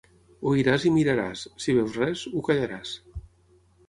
Oiràs i miraràs; si veus res, ho callaràs.